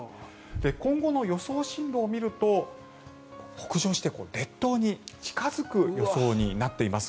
今後の予想進路を見ると北上して列島に近付く予想になっています。